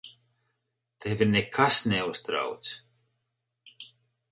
Tevi nekas neuztrauc.